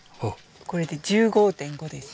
これで１５．５です。